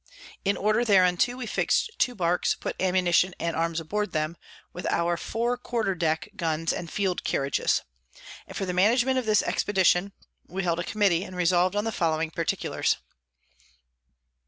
In order thereunto we fix'd two Barks, put Ammunition and Arms on board them, with our four Quarter Deck Guns and Field Carriages. And for the Management of this Expedition, we held a Committee, and resolv'd on the following Particulars.